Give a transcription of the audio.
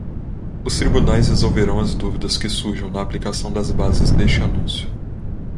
Os tribunais resolverão as dúvidas que surjam na aplicação das bases deste anúncio.